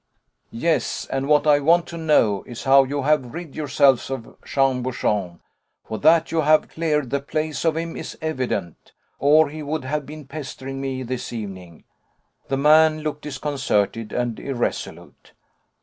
"Yes, and what I want to know is how you have rid yourselves of Jean Bouchon, for that you have cleared the place of him is evident, or he would have been pestering me this evening." The man looked disconcerted and irresolute.